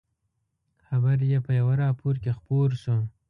خبر یې په یوه راپور کې خپور شو.